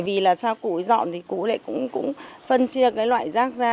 vì là sao cụ dọn thì cụ lại cũng phân chia cái loại rác ra